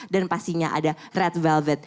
dan pastinya ada red velvet